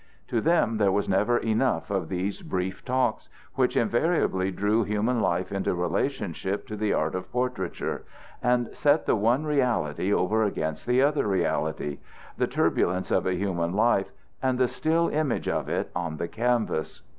To them there were never enough of these brief talks, which invariably drew human life into relationship to the art of portraiture, and set the one reality over against the other reality the turbulence of a human life and the still image of it on the canvas.